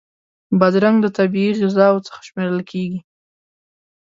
بادرنګ له طبعی غذاوو څخه شمېرل کېږي.